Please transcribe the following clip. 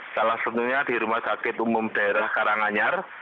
salah satunya di rumah sakit umum daerah karanganyar